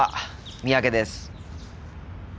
三宅です。